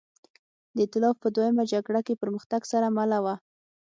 د اېتلاف په دویمه جګړه کې پرمختګ سره مله وه.